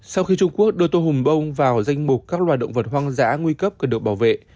sau khi trung quốc đưa tôm hùm bông vào danh mục các loài động vật hoang dã nguy cấp cần được bảo vệ